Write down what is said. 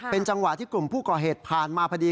เป็นจังหวะที่กลุ่มผู้ก่อเหตุผ่านมาพอดี